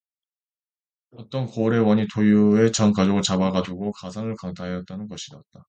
어떤 고을의 원이 도유의 전 가족을 잡아 가두고 가산을 강탈하였다는 것이었다.